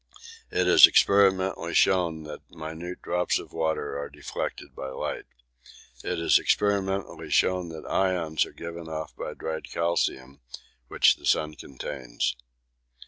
It is experimentally shown that minute drops of water are deflected by light. It is experimentally shown that ions are given off by dried calcium, which the sun contains.